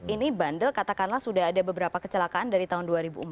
ini bandel katakanlah sudah ada beberapa kecelakaan dari tahun dua ribu empat